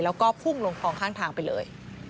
แล้วก็พุ่งลงคลองข้างทางไปเลย